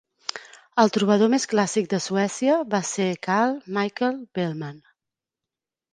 El trobador més clàssic de Suècia va ser Carl Michael Bellman.